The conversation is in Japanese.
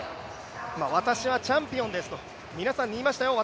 私はチャンピオンですと、皆さんに言いましたよと。